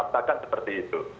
katakan seperti itu